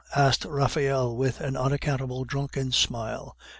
asked Raphael with an unaccountable drunken smile.